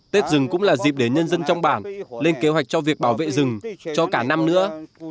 tết rừng cũng là dịp để nhân dân trong bản lên kế hoạch cho việc bảo vệ rừng cho cả năm nữa